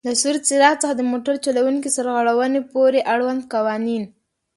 له سور څراغ څخه د موټر چلوونکي سرغړونې پورې آړوند قوانین: